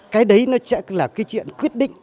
cái đấy nó sẽ là cái chuyện quyết định